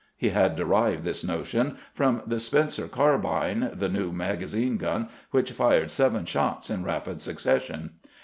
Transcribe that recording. He had derived this notion from the Spencer carbine, the new magazine gun which fired seven shots in rapid succession.